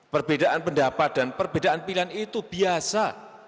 perbedaan pendapat dan perbedaan pilihan itu biasa